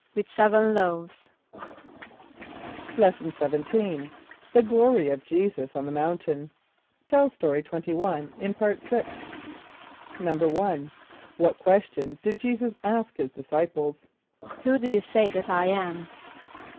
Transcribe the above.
=With seven loaves.= Lesson XVII. The Glory of Jesus on the Mountain. (Tell Story 21 in Part Sixth.) =1.= What question did J[=e]´[s+]us ask his disciples? ="Who do you say that I am?"